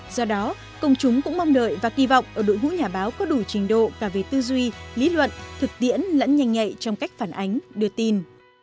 do đó công chúng cũng mong đợi và kỳ vọng ở đội ngũ nhà báo có đủ trình độ cả về tư duy lý luận thực tiễn lẫn nhanh nhạy trong cách phản ánh đưa tin